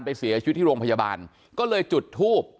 เสียชีวิตที่โรงพยาบาลก็เลยจุดทูบ